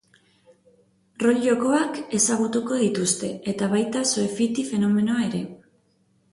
Rol jokoak ezagutuko dituzte eta baita shoefiti fenomenoa ere.